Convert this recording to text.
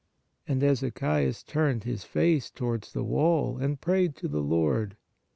And Ezechias turned his face towards the wall, and prayed to the Lord.